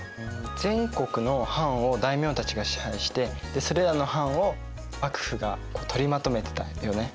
全国の藩を大名たちが支配してそれらの藩を幕府がとりまとめてたよね。